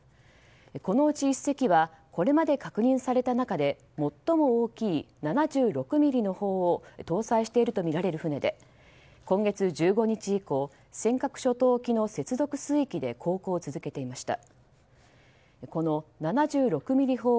このうち１隻はこれまで確認された中で最も大きい７６ｍｍの砲を搭載しているとみられる船で今月１５日以降尖閣諸島沖の接続水域で航行を続けていました。